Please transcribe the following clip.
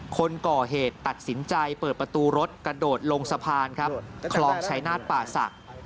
คนก่อเหตุตัดสินใจเปิดประตูรถกระโดดลงสะพานครับคลองชายนาฏป่าศักดิ์